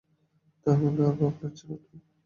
তা হলে আর ভাবনা ছিল কি?